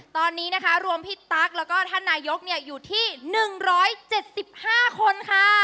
ตอนนี้นะคะรวมพี่ตั๊กแล้วก็ท่านนายกอยู่ที่๑๗๕คนค่ะ